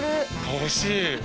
欲しい！